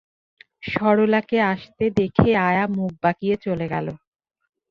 সরলাকে আসতে দেখে আয়া মুখ বাঁকিয়ে চলে গেল।